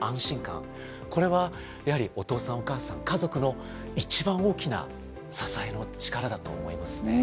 これはやはりお父さんお母さん家族の一番大きな支えの力だと思いますね。